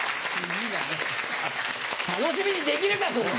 楽しみにできるか！